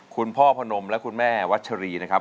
คุณพ่อพนมและคุณแม่วัชรีนะครับ